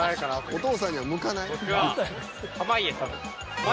［お父さんには向かない？］